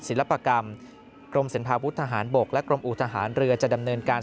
ศิลปกรรมกรมศิลภาวุฒหารบกและกรมอุทหารเรือจะดำเนินการ